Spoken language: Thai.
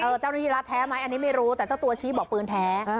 เจ้าหน้าที่รัฐแท้ไหมอันนี้ไม่รู้แต่เจ้าตัวชี้บอกปืนแท้